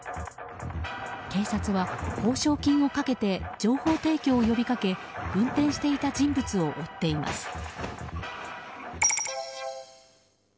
警察は報奨金をかけて情報提供を呼びかけ運転していた人物を追っています。